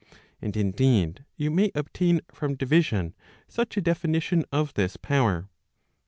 And indeed, you may obtain from division such a definition of this power.